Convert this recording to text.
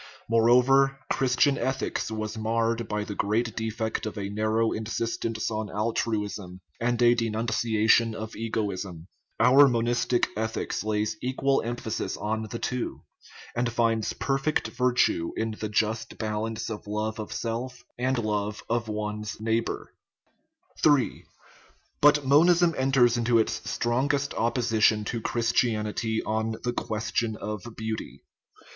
Moreover, Christian ethics was marred by the great defect of a narrow insistence on altruism and a denunciation of egoism. Our monistic ethics lays equal emphasis on the two, and finds perfect virtue in the just balance of love of self and love of one's neigh bor (cf. chap. xix.). III. But monism enters into its strongest opposi tion to Christianity on the question of beauty.